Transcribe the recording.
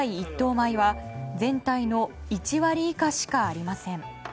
米は全体の１割以下しかありません。